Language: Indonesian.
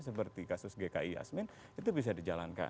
seperti kasus gki yasmin itu bisa dijalankan